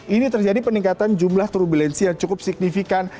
ini terjadi peningkatan jumlah turbulensi yang cukup signifikan